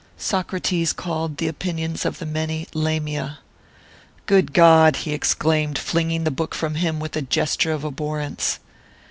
Socrates called the opinions of the many Lamiæ._ Good God!" he exclaimed, flinging the book from him with a gesture of abhorrence.